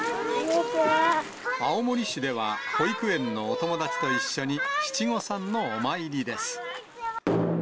青森市では保育園のお友達と一緒に、七五三のお参りです。